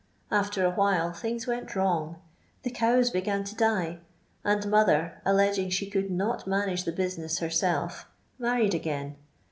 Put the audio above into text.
Aftrr a while things went wrong ; the cows began to die, and mother, alleging she could not manage the business herself, married again.